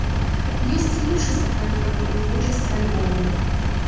Ёсць і іншы сакрэт у такой плывучасці альбому.